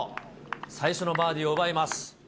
最初のバーディーを奪います。